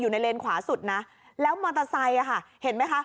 อยู่ในเลนขวาสุดนะแล้วมอเตอร์ไซค์อ่ะค่ะเห็นไหมคะ